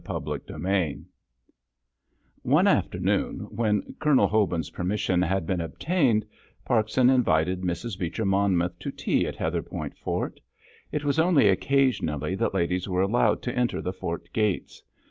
CHAPTER XXVI One afternoon, when Colonel Hobin's permission had been obtained, Parkson invited Mrs. Beecher Monmouth to tea at Heatherpoint Fort. It was only occasionally that ladies were allowed to enter the fort gates.